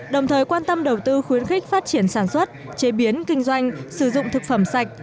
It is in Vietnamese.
đồng thời quan tâm đầu tư khuyến khích phát triển sản xuất chế biến kinh doanh sử dụng thực phẩm sạch